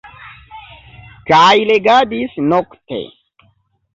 Kaj legadis nokte.